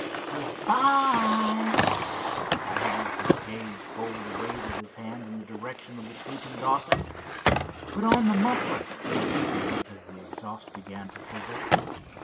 "Good bye!" spoke Hiram, with a gay bold wave of his hand in the direction of the sleeping, Dawson. "Put on the muffler," ordered Dave, as the exhaust began to sizzle.